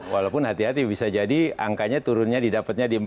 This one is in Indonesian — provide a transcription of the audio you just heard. walaupun hati hati bisa jadi angkanya turunnya didapatnya di empat